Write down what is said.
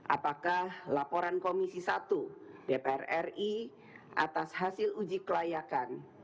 apakah laporan komisi satu dpr ri atas hasil uji kelayakan